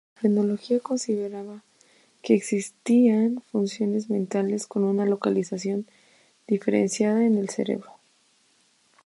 La frenología consideraba que existían funciones mentales con una localización diferenciada en el cerebro.